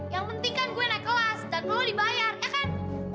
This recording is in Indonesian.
yang penting kan gue naik kelas dan lo dibayar ya kan